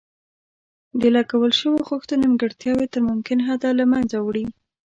د لګول شویو خښتو نیمګړتیاوې تر ممکن حده له منځه وړي.